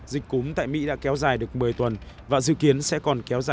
dịch cúm tại mỹ đã kéo dài được một mươi tuần và dự kiến sẽ còn kéo dài